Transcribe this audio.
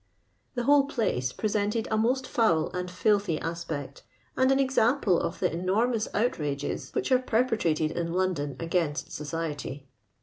The whole place presented a most foul and filthy aspect, and an example of the enormous outrages which are perpetrated in London against society.